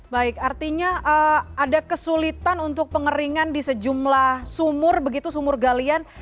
baik artinya ada kesulitan untuk pengeringan di sejumlah sumur begitu sumur galian